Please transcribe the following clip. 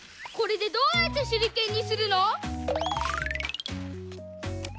これでどうやってしゅりけんにするの？